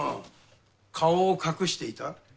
顔を隠していた？